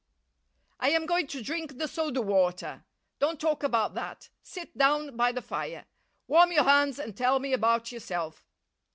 "I am going to drink the soda water. Don't talk about that. Sit down by the fire. Warm your hands and tell me about yourself."